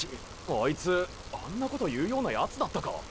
あいつあんなこと言うようなヤツだったか？